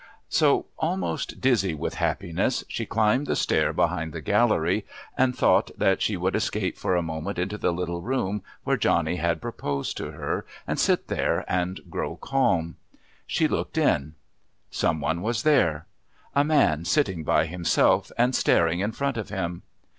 So, almost dizzy with happiness, she climbed the stair behind the Gallery and thought that she would escape for a moment into the little room where Johnny had proposed to her, and sit there and grow calm. She looked in. Some one was there. A man sitting by himself and staring in front of him.